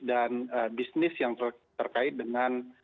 dan bisnis yang terkait dengan